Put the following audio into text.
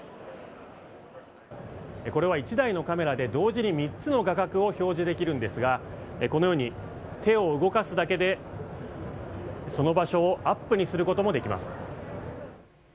これは１台のカメラで同時に３つの画角を表示できるんですがこのように手を動かすだけでその場所をアップにすることもできます。